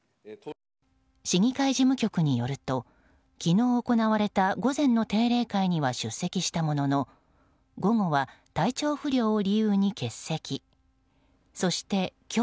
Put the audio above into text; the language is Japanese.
市議会事務局によると昨日行われた午前の定例会には出席したものの午後は体調不良を理由に欠席。